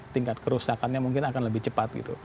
tingkat kerusakannya mungkin akan lebih cepat gitu